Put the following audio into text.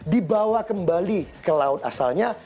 dibawa kembali ke laut asalnya